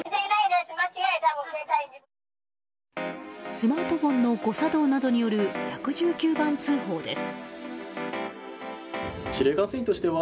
スマートフォンの誤作動などによる１１９番通報です。